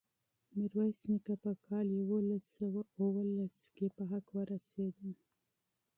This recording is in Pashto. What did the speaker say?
میرویس نیکه په کال یوولس سوه اوولس کې وفات شو.